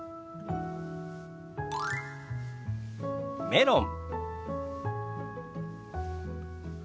「メロン」。